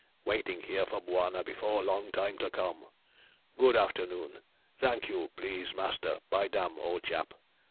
Waiting here for Bwana before long time to come. Good afternoon, thank you, please, Master, by damn, ole chap.